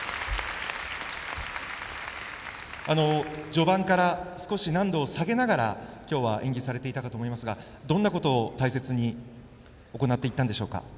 序盤から少し難度を下げながら今日は演技されていたかと思いますがどんなことを大切に行っていったんでしょうか。